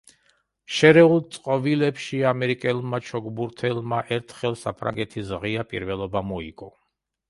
შერეულ წყვილებში ამერიკელმა ჩოგბურთელმა ერთხელ საფრანგეთის ღია პირველობა მოიგო.